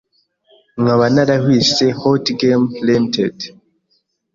nkaba narawise ‘Hot Games Ltd’,